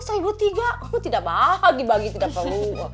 aku tidak bahagia bagi tidak perlu